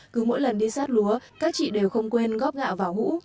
cứ mỗi lần đi rát lúa các chị đều không quên góp gạo vào hũ